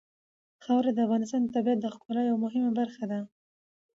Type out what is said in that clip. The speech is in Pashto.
خاوره د افغانستان د طبیعت د ښکلا یوه مهمه برخه ده.